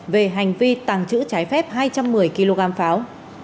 về hành vi tàng trữ trái phép hai trăm một mươi kg pháo